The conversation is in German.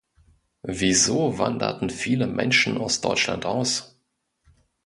Wieso wanderten viele Menschen aus Deutschland aus?